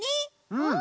うん！